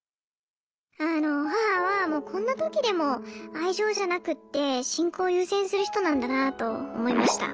あの母はもうこんな時でも愛情じゃなくって信仰を優先する人なんだなと思いました。